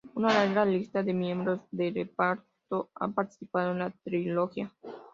Una larga lista de miembros de reparto ha participado en la trilogía.